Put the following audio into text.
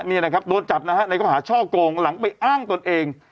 นี่นะครับโดนจับนะฮะในข้อหาช่อโกงหลังไปอ้างตนเอง